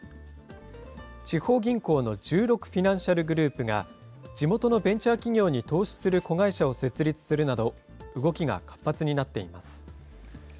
地方銀行の十六フィナンシャルグループが、地元のベンチャー企業に投資する子会社を設立するなど、動きが活発になっています。